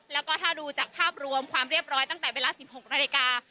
แล้วก็ถ้าดูจากภาพรวมความเรียบร้อยตั้งแต่เวลา๑๖นาฬิกา